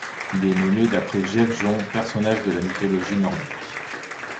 Il est nommé d'après Gefjon, personnage de la mythologie nordique.